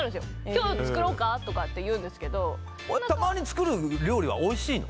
今日作ろうか？とかって言うんですけどたまに作る料理はおいしいの？